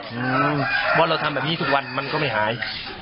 เพราะเราทำแบบนี้ทุกวันมันก็ไม่หาย